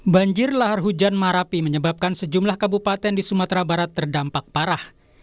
banjir lahar hujan marapi menyebabkan sejumlah kabupaten di sumatera barat terdampak parah